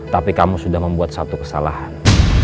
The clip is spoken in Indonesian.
tapi kamu sudah membuat satu kesalahan